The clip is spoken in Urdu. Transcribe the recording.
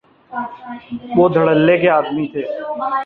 وہ دھڑلے کے آدمی تھے۔